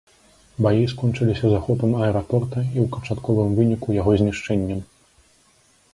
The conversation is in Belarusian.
Баі скончыліся захопам аэрапорта і ў канчатковым выніку яго знішчэннем.